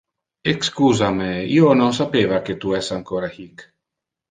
Excusa me, io non sapeva que tu es ancora hic.